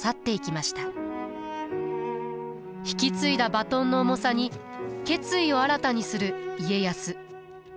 引き継いだバトンの重さに決意を新たにする家康。